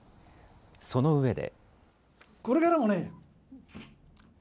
その上で。